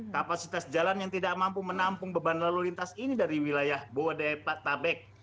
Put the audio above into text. kapasitas jalan yang tidak mampu menampung beban lalu lintas ini dari wilayah bodetabek